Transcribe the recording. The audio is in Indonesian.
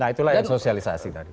nah itulah yang sosialisasi tadi